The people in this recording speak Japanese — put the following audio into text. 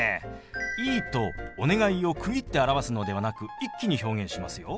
「いい」と「お願い」を区切って表すのではなく一気に表現しますよ。